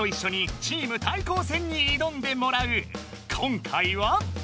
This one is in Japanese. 今回は。